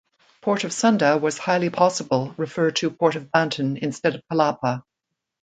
Port of Sunda was highly possible refer to port of Banten instead of Kalapa.